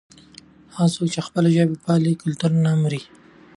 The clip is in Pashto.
هغه څوک چې خپله ژبه پالي کلتور یې نه مري.